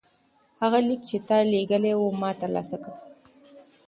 هغه لیک چې تا لیږلی و ما ترلاسه کړ.